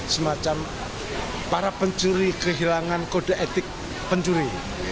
semacam para pencuri kehilangan kode etik pencuri